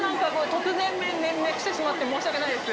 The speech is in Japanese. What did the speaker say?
突然メールしてしまって申し訳ないです。